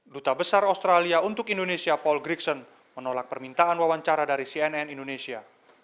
duta besar australia untuk indonesia paul grickson menolak permintaan wawancara dari cnn indonesia